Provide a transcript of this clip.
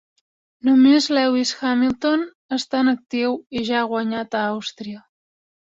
Només Lewis Hamilton està en actiu i ja ha guanyat a Àustria.